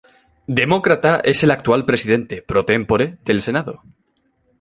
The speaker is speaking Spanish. Demócrata, es el actual Presidente "Pro Tempore" del Senado.